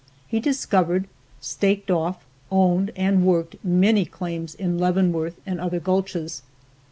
He discovered, staked off, owned and worked many claims in Leavenworth and other gulches.